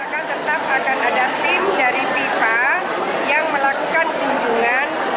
akan tetap akan ada tim dari fifa yang melakukan kunjungan